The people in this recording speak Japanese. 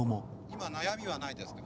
今悩みはないですか？